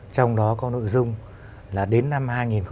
trong đó có nội dung là đến năm hai nghìn hai mươi